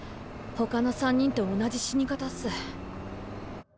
ほかの三人と同じ死に方っす。